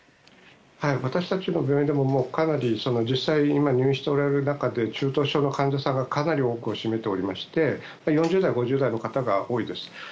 私たちの病院でもかなり入院されている中で中等症の患者さんがかなり多くを占めておられまして４０代、５０代の方が多いです。